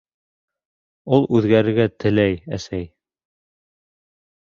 Ул үҙгәрергә теләй, әсәй.